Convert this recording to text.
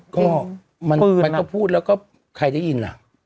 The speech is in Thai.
ก็มันก็พูดแล้วก็ใครได้ยินอ่ะ